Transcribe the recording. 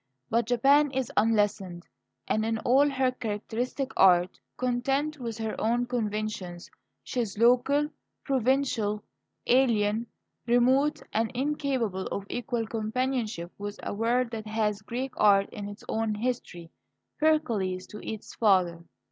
But Japan is unlessoned, and (in all her characteristic art) content with her own conventions; she is local, provincial, alien, remote, incapable of equal companionship with a world that has Greek art in its own history Pericles "to its father."